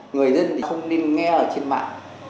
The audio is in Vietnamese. người dân thì không nên nghe ở trên mạng